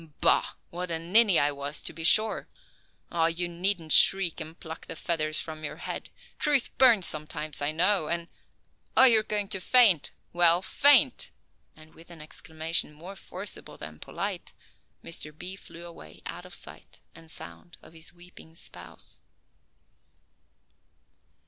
Bah, what a ninny I was, to be sure! Oh, you needn't shriek and pluck the feathers from your head. Truth burns sometimes, I know, and oh you are going to faint. Well faint!" and with an exclamation more forcible than polite Mr. B. flew away out of sight and sound of his weeping spouse.